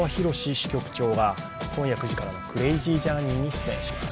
支局長が今夜９時からの「クレイジージャーニー」に出演します。